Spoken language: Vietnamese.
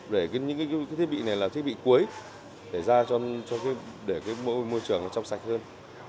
để những cái thiết bị này là thiết bị cuối để môi trường trong sạch hơn